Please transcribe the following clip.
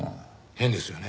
変ですよね。